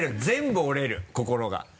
全部折れる心が。